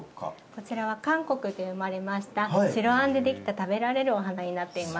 こちらは韓国で生まれました、白あんで出来た食べられるお花になっています。